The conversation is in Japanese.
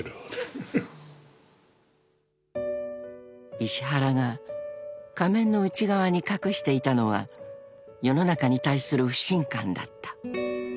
［石原が仮面の内側に隠していたのは世の中に対する不信感だった］